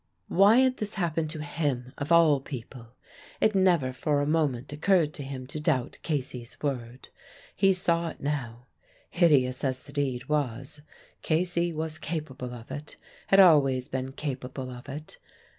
Why had this happened to him of all people? It never for a moment occurred to him to doubt Casey's word. He saw it now; hideous as the deed was, Casey was capable of it had always been capable of it.